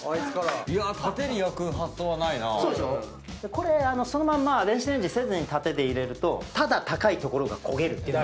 これそのまんま電子レンジせずに縦で入れるとただ高い所が焦げるっていうのが起きるんですよ。